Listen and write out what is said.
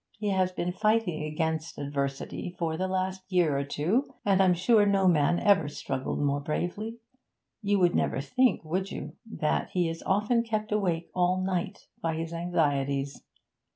he has been fighting against adversity for the last year or two, and I'm sure no man ever struggled more bravely. You would never think, would you? that he is often kept awake all night by his anxieties.